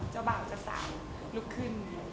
เจ้าบ่าวเจ้าสาวลุกขึ้น